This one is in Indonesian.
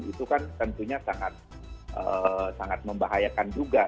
itu kan tentunya sangat membahayakan juga